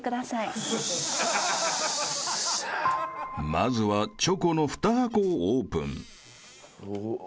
［まずはチョコの２箱をオープン］